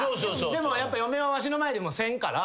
でもやっぱ嫁はわしの前でもせんから。